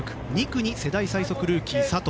２区に世代最速ルーキー、佐藤。